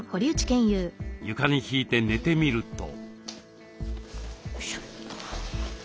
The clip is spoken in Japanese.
床に敷いて寝てみると。